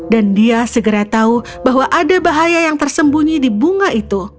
dan dia segera tahu bahwa ada bahaya yang tersembunyi di bunga itu